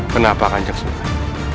kenapa kanjeng sunan